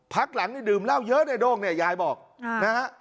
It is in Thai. พักหลังดื่มเล่าเยอะในโด่งยายบอกนะฮะ